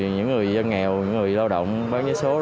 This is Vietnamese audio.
những người dân nghèo những người lao động bán vé số